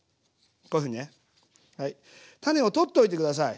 こういうふうにねはい種を取っておいて下さい。